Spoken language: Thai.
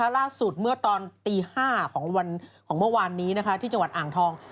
ล่าสุดเมื่อตอนตี๕ของเมื่อวานนี้ที่จังหวัดอ่างทอง